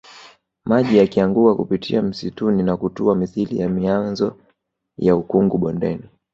Maji yakianguka kupitia msituni na kutua mithili ya mianzo ya ukungu bondeni